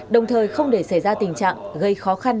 đồng thời không để xảy ra tình trạng gây khó khăn